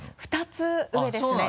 ２つ上ですね。